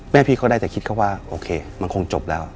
พี่เขาได้แต่คิดเขาว่าโอเคมันคงจบแล้ว